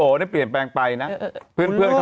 อ้าวไอ้ผีกูจะไปรู้เรื่องก็ได้ยังไง